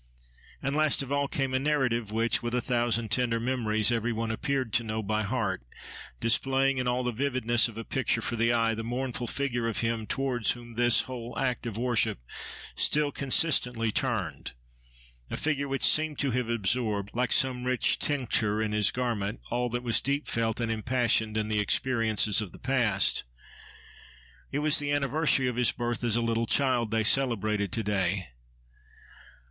And last of all came a narrative which, with a thousand tender memories, every one appeared to know by heart, displaying, in all the vividness of a picture for the eye, the mournful figure of him towards whom this whole act of worship still consistently turned—a figure which seemed to have absorbed, like some rich tincture in his garment, all that was deep felt and impassioned in the experiences of the past. It was the anniversary of his birth as a little child they celebrated to day.